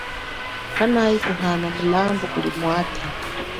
Kanayi kuhana mulambu kuli mwatha.